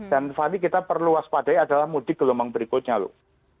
dan fahamnya kita perlu waspadai adalah mudik gelombang berikutnya loh